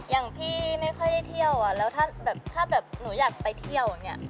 อย่างพี่ไม่ค่อยได้เที่ยวอะแล้วถ้าแบบหนูอยากไปเที่ยวอย่างนี้